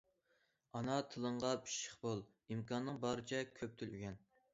ئانا تىلىڭغا پىششىق بول، ئىمكاننىڭ بارىچە كۆپ تىل ئۆگەن.